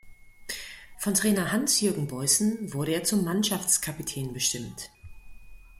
Von Trainer Hans-Jürgen Boysen wurde er zum Mannschaftskapitän bestimmt.